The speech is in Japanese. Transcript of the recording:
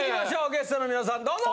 ゲストのみなさんどうぞ！